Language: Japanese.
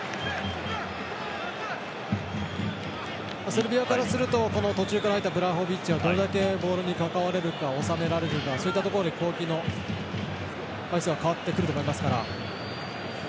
セルビアからすると途中から入ったブラホビッチがどれだけボールに関われるか収められるかそういったところで攻撃の回数が変わってくると思いますから。